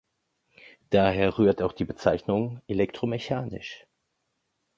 Daher rührt auch die Bezeichnung „elektromechanisch“.